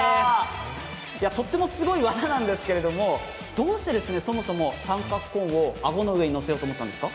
とってもすごい技なんですけれども、どうしてそもそ三角コーンを顎の上にのせようと思ったんですか？